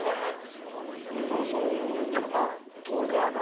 もうそういうちょっと遠出やな。